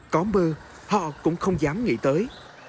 có mơ họ cũng không dám nghĩ tới